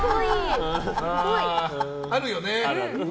あるよね。